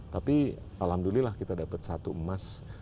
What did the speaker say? tapi alhamdulillah kita dapat satu emas